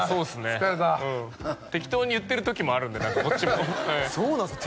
疲れた適当に言ってる時もあるんで何かこっちもそうなんですか？